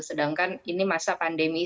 sedangkan ini masa pandemi